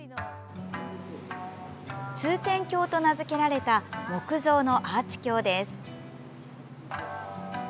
通天橋と名付けられた木造のアーチ橋です。